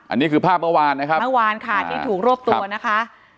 อันนี้คือภาพเมื่อวานนะครับเมื่อวานค่ะที่ถูกรวบตัวนะคะ